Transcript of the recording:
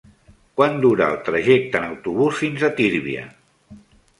Quant dura el trajecte en autobús fins a Tírvia?